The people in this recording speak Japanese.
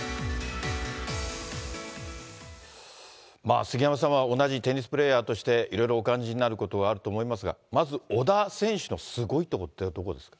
杉山さんは同じテニスプレーヤーとして、いろいろお感じになることはあると思いますが、まず小田選手のすごいところってどこですか？